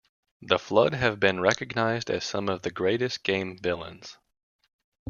The Flood have been recognized as some of the greatest game villains.